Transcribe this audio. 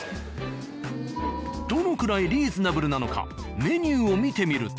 どのくらいリーズナブルなのかすごっ。